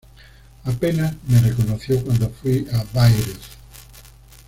Apenas me reconoció cuando fui a Bayreuth.